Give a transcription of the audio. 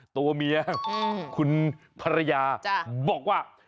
ตัวเมียคุณภรรยาบอกว่า